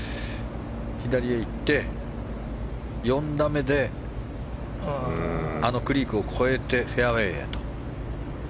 左へいって４打目でクリークを越えてフェアウェーへと。